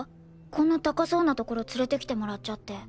こんな高そうな所連れてきてもらっちゃって。